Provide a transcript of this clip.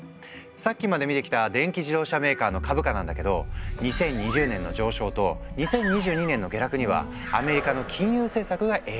さっきまで見てきた電気自動車メーカーの株価なんだけど２０２０年の上昇と２０２２年の下落にはアメリカの金融政策が影響していたんだ。